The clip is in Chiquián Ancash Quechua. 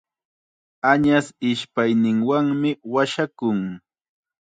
Añas ishpayninwanmi washakun.